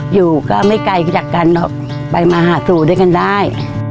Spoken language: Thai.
อยู่ก็ไม่ไกลจากกันเนอะไปมาหาสู่ด้วยกันได้